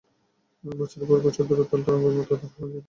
বছরের পর বছর ধরে উত্তাল তরঙ্গের মত তারা হানা দিতে থাকে।